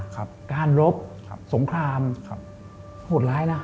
การรบสงครามโหดร้ายนะ